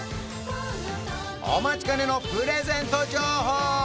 お待ちかねのプレゼント情報